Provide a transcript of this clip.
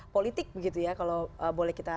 politik kalau boleh kita